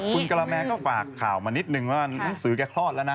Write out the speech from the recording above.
คุณกระแมก็ฝากข่าวมานิดนึงว่าหนังสือแกคลอดแล้วนะ